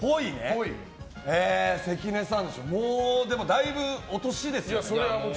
だいぶ、お歳ですよね。